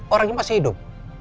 orang yang masih hidup